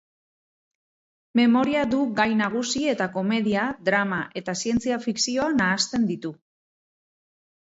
Memoria du gai nagusi eta komedia, drama eta zientzia fikzioa nahasten ditu.